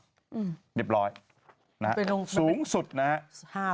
เรียบร้อยสูงสุดนะครับ